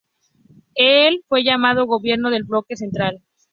Fue el llamado "gobierno del Bloque Central".